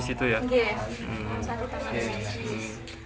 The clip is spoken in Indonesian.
iya saat ditangani medis